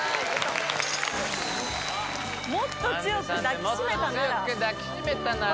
「もっと強く抱きしめたなら」